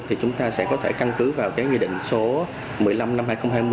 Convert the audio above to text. thì chúng ta sẽ có thể căn cứ vào cái nghị định số một mươi năm năm hai nghìn hai mươi